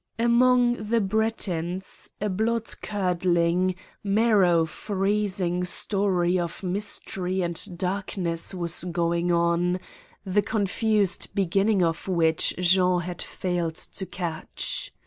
Among the Bretons a blood curdling, marrow freezing story of mystery and darkness was going on, the confused beginning of which Jean had failed to catch.